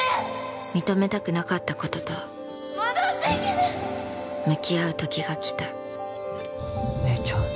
認めたくなかったことと戻ってきて向き合う時が来た姉ちゃん